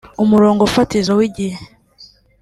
umurongo fatizo w’igihe